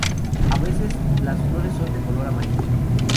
A veces, las flores son de color amarillo.